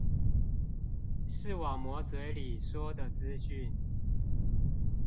視網膜嘴裡說的資訊